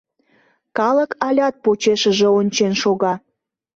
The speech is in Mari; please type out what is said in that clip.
Калык алят почешыже ончен шога.